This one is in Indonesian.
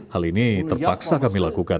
hal ini terpaksa kami lakukan